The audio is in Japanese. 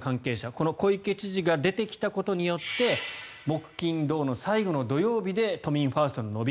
この小池知事が出てきたことによって木金土、最後の土曜日で都民ファーストの伸び